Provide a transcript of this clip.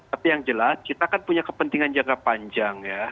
tapi yang jelas kita kan punya kepentingan jangka panjang ya